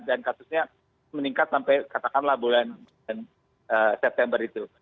dan kasusnya meningkat sampai katakanlah bulan september itu